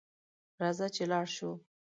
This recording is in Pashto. راځه چې لاړشوو